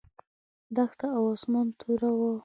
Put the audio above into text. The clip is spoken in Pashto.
دښته او اسمان توره وه.